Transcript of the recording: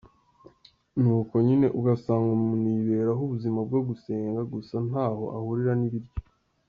Ni uko nyine ugasanga umuntu yiberaho ubuzima bwo gusenga gusa ntaho ahurira n’ibiryo.